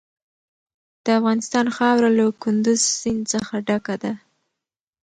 د افغانستان خاوره له کندز سیند څخه ډکه ده.